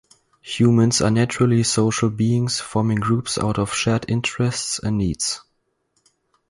Humans are naturally social beings, forming groups out of shared interests and needs.